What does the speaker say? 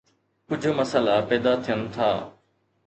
ڪجھ مسئلا پيدا ٿين ٿا